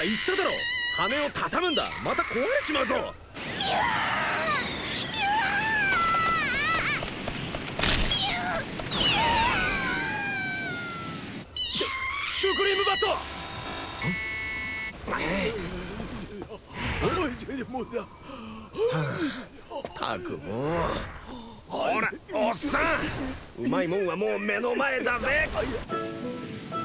うまいもんはもう目の前だぜ！